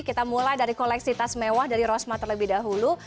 kita mulai dari koleksitas mewah dari rosma terlebih dahulu